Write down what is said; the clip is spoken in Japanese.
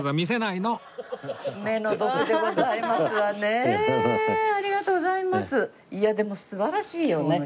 いやでも素晴らしいよね。